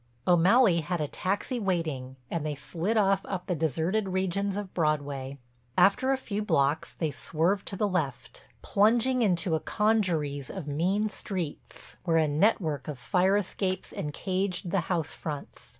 O'Malley had a taxi waiting and they slid off up the deserted regions of Broadway. After a few blocks they swerved to the left, plunging into a congeries of mean streets where a network of fire escapes encaged the house fronts.